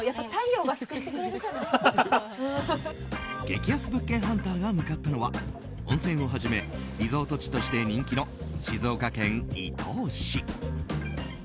激安物件ハンターが向かったのは温泉をはじめリゾート地として人気の静岡県伊東市。